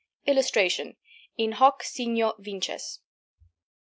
[Illustration: "IN HOC SIGNO VINCES."